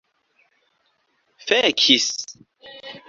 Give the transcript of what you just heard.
fekis